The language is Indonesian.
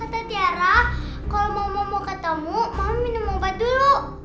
kata tiara kalo mama mau ketemu mama minum obat dulu